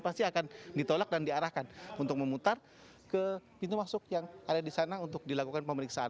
pasti akan ditolak dan diarahkan untuk memutar ke pintu masuk yang ada di sana untuk dilakukan pemeriksaan